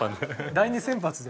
第２先発で。